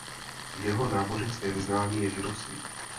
Jeho náboženské vyznání je židovství.